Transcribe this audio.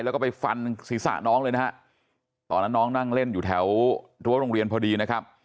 แล้วก็ไปฟันศีรษะน้องเลยนะฮะตอนนั้นน้องนั่งเล่นอยู่แถวรั้วโรงเรียนพอดีนะครับ